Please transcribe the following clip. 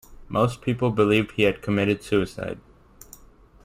Most people believed he had committed suicide.